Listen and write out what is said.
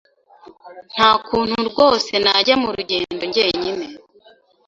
Nta kuntu rwose najya mu rugendo njyenyine.